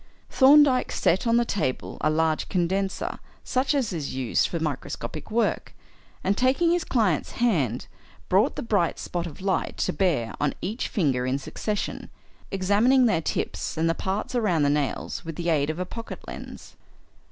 Thorndyke set on the table a large condenser such as is used for microscopic work, and taking his client's hand, brought the bright spot of light to bear on each finger in succession, examining their tips and the parts around the nails with the aid of a pocket lens.